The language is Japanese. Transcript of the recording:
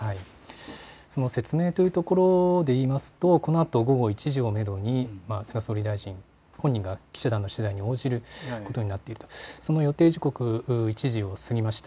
その説明というところでいいますと、このあと午後１時をめどに菅総理大臣本人が記者団の取材に応じることになっていると、その予定時刻、１時を過ぎました。